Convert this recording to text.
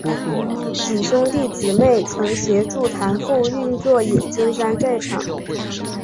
几兄弟姊妹曾协助谭父运作冶金山寨厂。